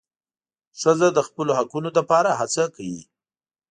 ښځه د خپلو حقونو لپاره هڅه کوي.